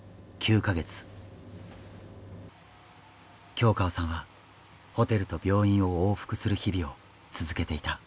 京河さんはホテルと病院を往復する日々を続けていた。